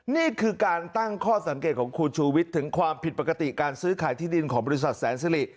นี่คือการตั้งข้อสังเกตของคุณชูวิทย์ถึงความผิดปกติการซื้อขายที่ดินของบริษัทแสนสิริ